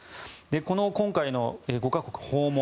この今回の５か国訪問